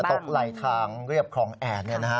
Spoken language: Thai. เลยเช่นว่าทุกเวลาจะตกไหลทางเรียบของแอด